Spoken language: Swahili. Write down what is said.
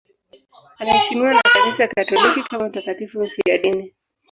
Anaheshimiwa na Kanisa Katoliki kama mtakatifu mfiadini.